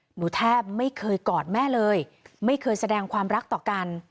หนูแทบไม่เคยกอดแม่เลยไม่เคยแสดงความรักต่อกัน